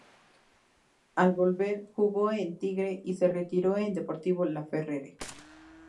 Al volver jugó en Tigre y se retiró en Deportivo Laferrere.